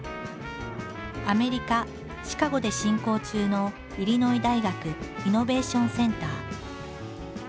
アメリカ・シカゴで進行中のイリノイ大学イノベーションセンター。